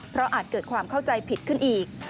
เพราะอาจเกิดความเข้าใจผิดขึ้นอีก